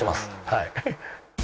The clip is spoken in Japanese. はい。